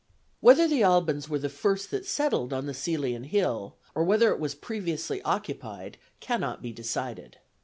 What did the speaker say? Whether the Albans were the first that settled on the Cælian hill, or whether it was previously occupied, cannot be decided.